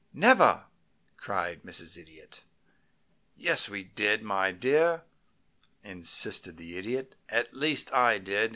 "Never!" cried Mrs. Idiot. "Yes, we did, my dear," insisted the Idiot. "At least I did.